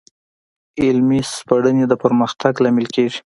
علمي سپړنې د پرمختګ لامل کېږي.